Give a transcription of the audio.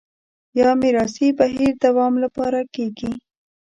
یا میراثي بهیر دوام لپاره کېږي